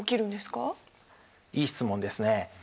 いい質問ですね。